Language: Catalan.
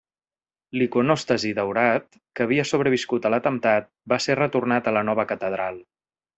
L'iconòstasi daurat, que havia sobreviscut a l'atemptat, va ser retornat a la nova catedral.